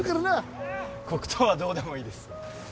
黒糖はどうでもいいです。